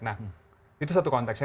nah itu satu konteks